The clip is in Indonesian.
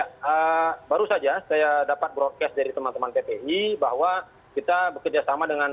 ya baru saja saya dapat broadcast dari teman teman ppi bahwa kita bekerjasama dengan